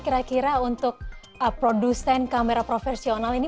kira kira untuk produsen kamera profesional ini